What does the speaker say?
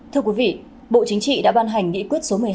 thưa quý vị bộ chính trị đã ban hành nghị quyết số một mươi hai